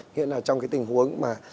nghĩa là trong cái tình huống mà